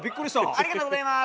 ありがとうございます。